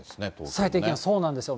最低気温、そうなんですよ。